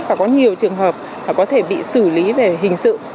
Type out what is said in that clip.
và có nhiều trường hợp có thể bị xử lý về hình sự